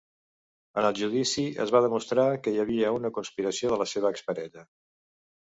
En el judici es va demostrar que hi havia una conspiració de la seva exparella.